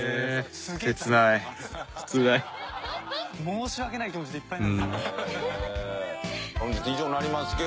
申し訳ない気持ちでいっぱいになるんですよね。